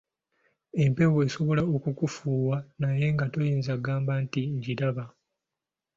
Empewo esobola okukufuuwa naye nga toyinza gamba nti ngiraba.